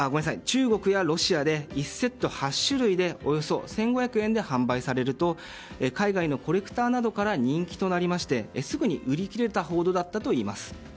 中国やロシアで１セット８種類でおよそ１５００円で販売されると海外のコレクターなどから人気となりましてすぐに売り切れたほどだったといいます。